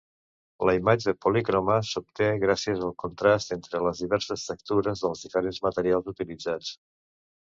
La imatge policroma s'obté gràcies al contrast entre les diverses textures dels diferents materials utilitzats.